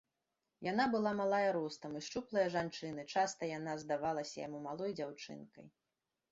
Яна была малая ростам і шчуплая жанчына, часта яна здавалася яму малой дзяўчынкай.